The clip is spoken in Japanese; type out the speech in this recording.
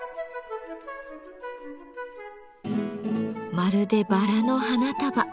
まるでバラの花束。